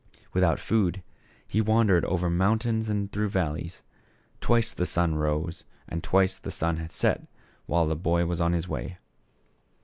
With out food, he wandered over mountains and through valleys. Twice the sun rose and twice the sun set while the boy was on his way.